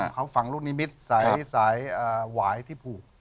เขาฝังลูกนิมิตรสายหวายที่ผูก